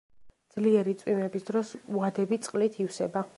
ძლიერი წვიმების დროს უადები წყლით ივსება.